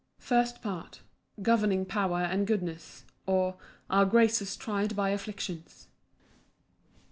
First Part. Governing power and goodness; or, Our graces tried by afflictions.